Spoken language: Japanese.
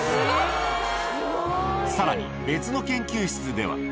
さらに別の研究室では。